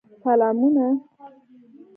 سلامونه